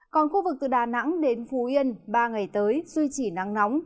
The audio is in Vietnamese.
còn khu vực từ đà nẵng đến phú yên ba ngày tới duy trì nắng nóng